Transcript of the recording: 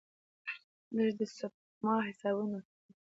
لږ، د سپما حسابونو کې